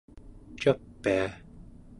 ca pia?